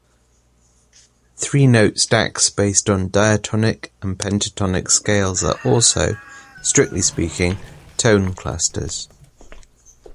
Three-note stacks based on diatonic and pentatonic scales are also, strictly speaking, tone clusters.